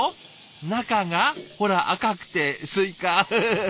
中がほら赤くてスイカウフフ。